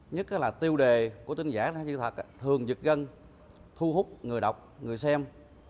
nhất là tiêu đề của tin giả tin sai sự thật thường dựt gân thu hút người đọc người xem